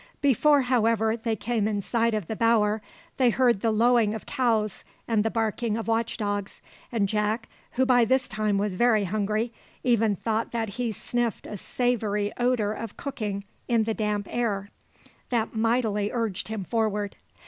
Before, however, they came in sight of the bower, they heard the lowing of cows and the barking of watch dogs, and Jack, who by this time was very hungry, even thought that he sniffed a savoury odour of cooking in the damp air, that mightily urged him forward.